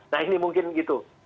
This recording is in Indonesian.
nah ini mungkin gitu